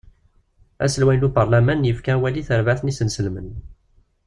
Aselway n ubarlaman yefka awal i terbaɛt n isenslmen.